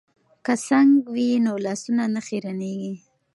که سنک وي نو لاسونه نه خیرنیږي.